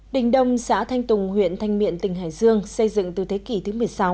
đình đông xã thanh tùng huyện thanh miện tỉnh hải dương xây dựng từ thế kỷ thứ một mươi sáu